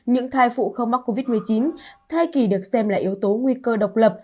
những thai phụ không mắc covid một mươi chín thai kỳ được xem là yếu tố nguy cơ độc lập